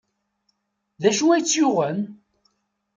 D acu ay tt-yuɣen?